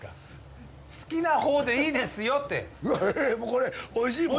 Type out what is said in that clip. これおいしいもん。